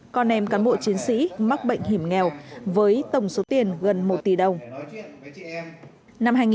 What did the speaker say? con em cán bộ chiến sĩ mắc bệnh hiểm nghèo với tổng số tiền gần một tỷ đồng